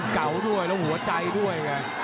เก่าด้วยแล้วหัวใจด้วยไง